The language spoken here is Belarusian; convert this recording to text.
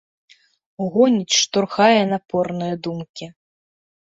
Гоніць, штурхае напорныя думкі.